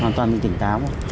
hoàn toàn là mình không có uống